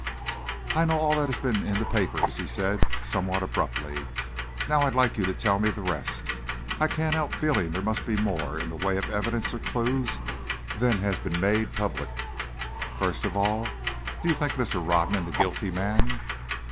"I know all that has been in the papers," he said, somewhat abruptly, "now, I'd like you to tell me the rest. I can't help feeling there must be more in the way of evidence or clews than has been made public. First of all, do you think Mr. Rodman the guilty man?"